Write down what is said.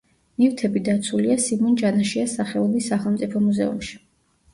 ნივთები დაცულია სიმონ ჯანაშიას სახელობის სახელმწიფო მუზეუმში.